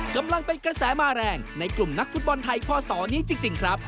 กำลังเป็นกระแสมาแรงในกลุ่มนักฟุตบอลไทยพศนี้จริงครับ